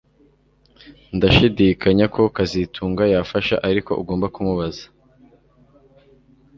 Ndashidikanya ko kazitunga yafasha ariko ugomba kumubaza